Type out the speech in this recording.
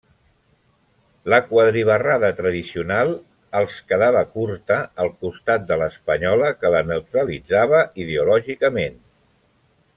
La quadribarrada tradicional els quedava curta al costat de l'espanyola que la neutralitzava ideològicament.